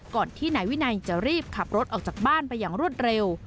ก่อนที่นายวินัยจะรีบขับรถออกจากบ้านไปอย่างรวดเร็ว